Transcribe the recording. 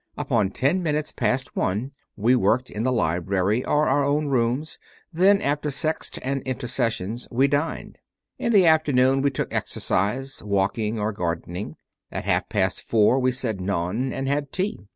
Until ten minutes past one we worked in the library or our own rooms; then, after Sext and intercessions, we dined. In the afternoon we took exercise walking or gardening; at half past four we said None and had tea.